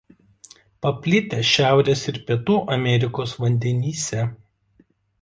Paplitę Šiaurės ir Pietų Amerikos vandenyse.